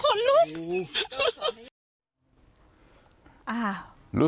คนลุกคนลุก